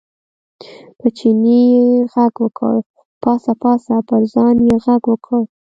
په چیني یې غږ وکړ، پاڅه پاڅه، پر ځان یې غږ وکړ.